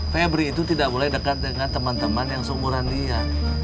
pebri itu tidak boleh deket dengan temen temen yang seumuran dia